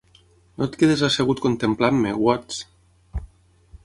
No et quedis assegut contemplant-me, Watts.